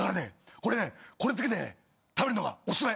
これねこれつけてね食べるのがオススメ！